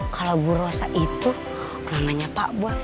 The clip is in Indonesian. kalau bu rosa itu namanya pak bos